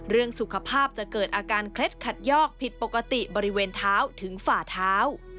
เรื่องสุขภาพจะเกิดอาการเคล็ดขัดยอกผิดปกติบริเวณเท้าถึงฝ่าเท้า